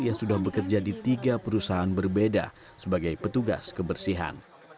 yang sudah bekerja di tiga perusahaan berbeda sebagai petugas kebersihan